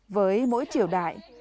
với mỗi triều đại